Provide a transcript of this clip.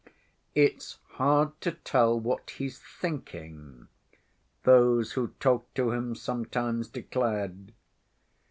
"It's hard to tell what he's thinking," those who talked to him sometimes declared.